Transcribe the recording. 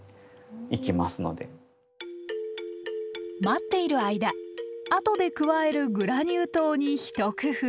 待っている間後で加えるグラニュー糖にひと工夫。